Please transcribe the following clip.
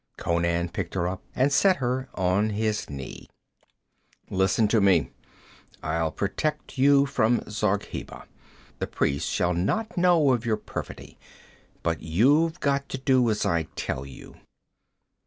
Conan picked her up and set her on his knee. 'Listen to me. I'll protect you from Zargheba. The priests shall not know of your perfidy. But you've got to do as I tell you.'